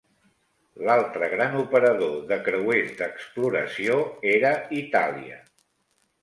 L'altre gran operador de creuers d'exploració era Itàlia.